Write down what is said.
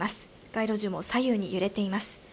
街路樹も左右に揺れています。